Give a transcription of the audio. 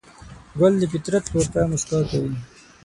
ګل د فطرت لور ته موسکا کوي.